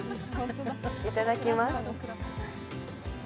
いただきます。